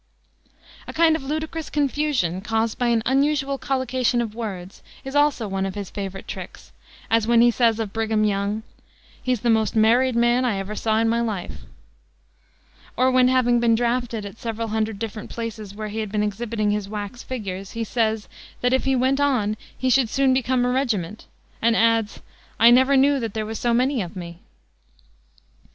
A kind of ludicrous confusion, caused by an unusual collocation of words, is also one of his favorite tricks, as when he says of Brigham Young, "He's the most married man I ever saw in my life;" or when, having been drafted at several hundred different places where he had been exhibiting his wax figures, he says that if he went on he should soon become a regiment, and adds, "I never knew that there was so many of me."